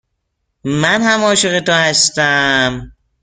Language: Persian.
من هم عاشق تو هستم.